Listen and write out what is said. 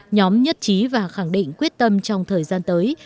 nhóm nhất trí và khẳng định quyết tâm trong thời gian tới